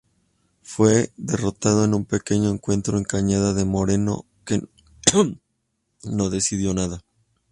Fue derrotado en un pequeño encuentro en Cañada de Moreno, que no decidió nada.